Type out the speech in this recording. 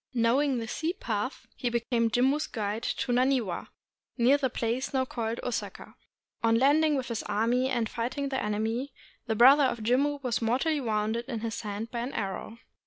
Knowing the sea path, he became Jimmu's guide to Naniwa, near the place now called Osaka. On landing with his army and fighting the enemy, the brother of Jimmu was mortally wounded in the hand by an arrow.